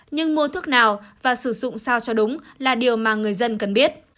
nhưng mua thuốc nào và sử dụng sao cho đúng là điều mà người dân cần biết